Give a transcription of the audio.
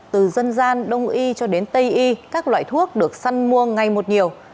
từ dân gian đông y cho đến tây y các loại thuốc được săn mua ngay một nhiều